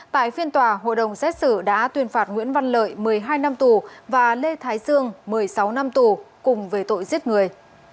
tại phiên tòa hội đồng xét xử đã tuyên phạt nguyễn văn lợi một mươi hai năm tù và lê thái sương một mươi sáu năm tù cùng về tội giết người